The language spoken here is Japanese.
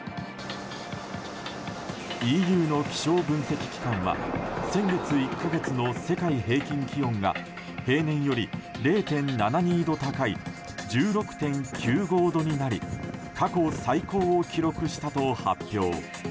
ＥＵの気象分析機関は先月１か月の世界平均気温が平年より０．７２度高い１６．９５度になり過去最高を記録したと発表。